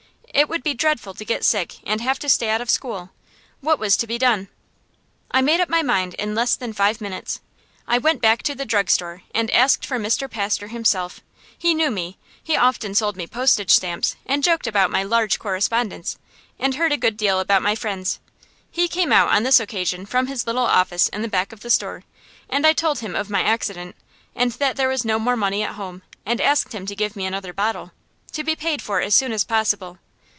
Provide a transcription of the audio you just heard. It would be dreadful to get sick and have to stay out of school. What was to be done? I made up my mind in less than five minutes. I went back to the drug store and asked for Mr. Pastor himself. He knew me; he often sold me postage stamps, and joked about my large correspondence, and heard a good deal about my friends. He came out, on this occasion, from his little office in the back of the store; and I told him of my accident, and that there was no more money at home, and asked him to give me another bottle, to be paid for as soon as possible.